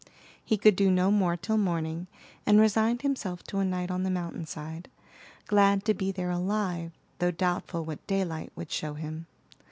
He could do no more till morning, and resigned himself to a night on the mountain side, glad to be there alive, though doubtful what daylight would show him.